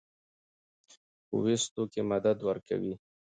پۀ ويستو کښې مدد ورکوي